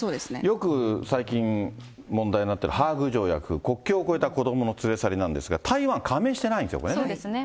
よく最近問題になっているハーグ条約、国境を越えた子どもの連れ去りなんですが、台湾は加盟していないそうですね。